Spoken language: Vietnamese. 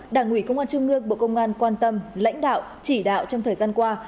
đảng ủy công an trung ương bộ công an quan tâm lãnh đạo chỉ đạo trong thời gian qua